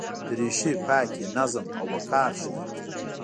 دریشي پاکي، نظم او وقار ښيي.